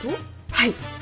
はい。